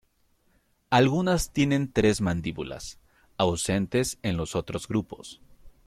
Algunas tienen tres mandíbulas, ausentes en los otros grupos.